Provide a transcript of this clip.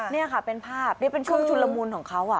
นี่ค่ะเป็นภาพนี่เป็นช่วงชุนละมุนของเขา